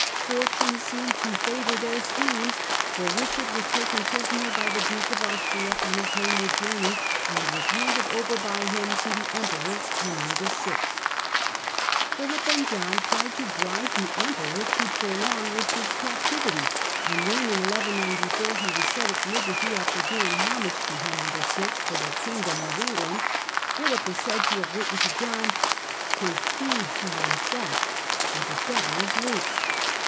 Fortune seemed to favour their schemes, for Eichard was taken prisoner by the Duke of Austria on his homeward journey, and was handed over by him to the Emperor Henry VI. Philip and John tried to bribe the Emperor to prolong Richard's captivity, and when in 1194 he was set at liberty after doing homage to Henry VI. for the kingdom of England, Philip is said to have written to John :—" Take heed to yourself, for the devil is loose."